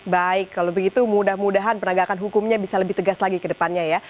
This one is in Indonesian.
baik kalau begitu mudah mudahan penegakan hukumnya bisa lebih tegas lagi ke depannya ya